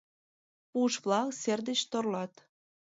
Пуш-влак сер деч торлат.